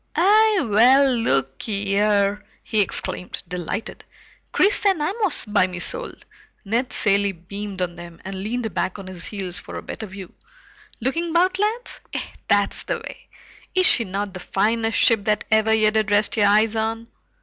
"Eh well, lookee here!" he exclaimed, delighted. "Chris and Amos, by me soul!" Ned Cilley beamed on them and leaned back on his heels for a better view. "Lookin' about, lads? Eh, that's the way. Is she not the finest ship that ever ye did rest your eyes on?"